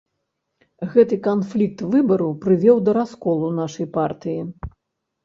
Гэты канфлікт выбару прывёў да расколу нашай партыі.